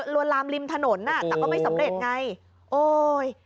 วนลามริมถนนอ่ะแต่ก็ไม่สำเร็จไงโอ้ย